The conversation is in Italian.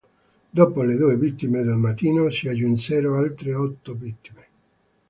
Dopo le due vittime del mattino, si aggiunsero altre otto vittime.